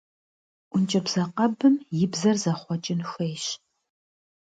Ӏункӏыбзэ къэбым и бзэр зэхъуэкӏын хуейщ.